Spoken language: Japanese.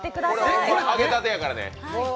これ、ほんま揚げたてやからね。